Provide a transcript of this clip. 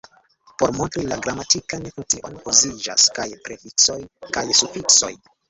Por montri la gramatikan funkcion, uziĝas kaj prefiksoj kaj sufiksoj.